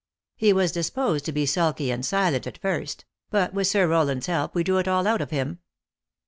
He was disposed to be sulky and silent, at first ; but, with Sir Rowland s help, we drew it all out of him."